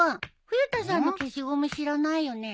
冬田さんの消しゴム知らないよね？